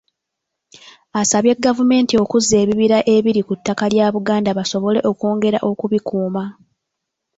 Asabye gavumenti okuzza ebibira ebiri ku ttaka lya Buganda basobole okwongera okubikuuma.